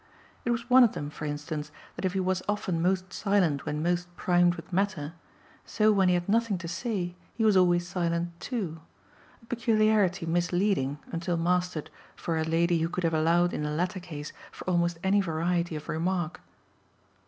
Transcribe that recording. It was one of them for instance that if he was often most silent when most primed with matter, so when he had nothing to say he was always silent too a peculiarity misleading, until mastered, for a lady who could have allowed in the latter case for almost any variety of remark.